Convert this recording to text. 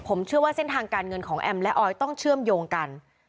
ผมเชื่อว่าเส้นทางการเงินของแอมและออยต้องเชื่อมโยงกัน